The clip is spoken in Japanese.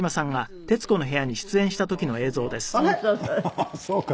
ああそうか。